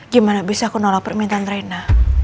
gimana bisa aku nolak permintaan trena